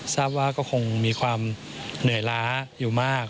ทราบว่าก็คงมีความเหนื่อยล้าอยู่มาก